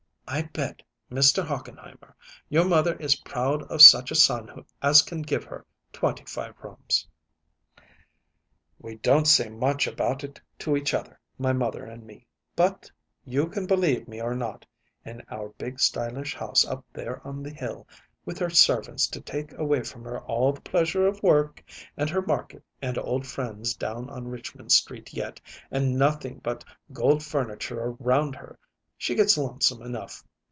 I bet, Mr. Hochenheimer, your mother is proud of such a son as can give her twenty five rooms." "We don't say much about it to each other, my mother and me; but you can believe me or not in our big, stylish house up there on the hill, with her servants to take away from her all the pleasure of work and her market and old friends down on Richmond Street yet, and nothing but gold furniture round her, she gets lonesome enough.